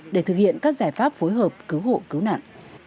để thực hiện các giải pháp phối hợp cứu hộ cứu nạn